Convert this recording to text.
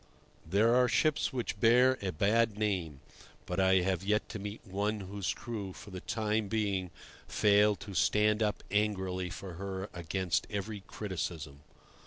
There are ships which bear a bad name, but I have yet to meet one whose crew for the time being failed to stand up angrily for her against every criticism.